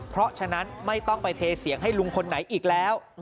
เพราะฉะนั้นไม่ต้องไปเทเสียงให้ลุงคนไหนอีกแล้ว